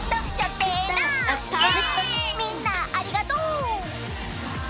みんなありがとう！